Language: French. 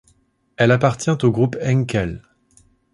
Elle appartient au groupe Henkel.